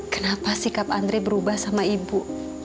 kenapa sikap andre berubah sama ibu